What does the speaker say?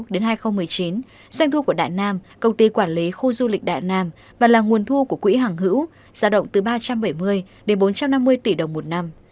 năm hai nghìn một mươi chín doanh thu của đại nam công ty quản lý khu du lịch đại nam và là nguồn thu của quỹ hàng hữu giá động từ ba trăm bảy mươi đến bốn trăm năm mươi tỷ đồng một năm